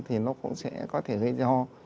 thì nó cũng sẽ có thể gây ra ho